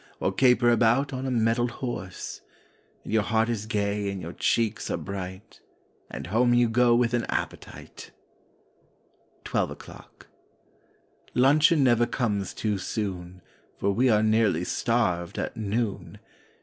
Or caper about on a mettled horse! And your heart is gay and your cheeks are bright— And home you go with an appetite! 21 ELEVEN O'CLOCK 23 TWELVE O'CLOCK 1 UNCHEON never comes too soon, J Eor we are nearly starved at noon!